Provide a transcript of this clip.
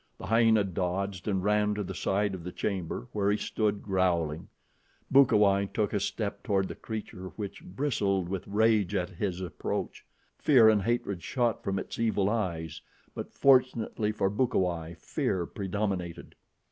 The hyena dodged and ran to the side of the chamber, where he stood growling. Bukawai took a step toward the creature, which bristled with rage at his approach. Fear and hatred shot from its evil eyes, but, fortunately for Bukawai, fear predominated.